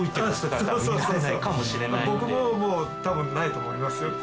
僕ももう多分ないと思いますよ。